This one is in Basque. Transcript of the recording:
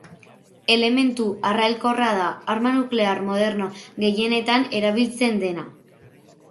Elementu arrailkorra da, arma nuklear moderno gehienetan erabiltzen dena.